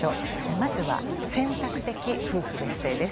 まずは選択的夫婦別姓です。